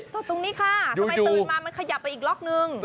ตรงนี้ค่ะทำไมตื่นมามันขยับไปอีกล็อกนึง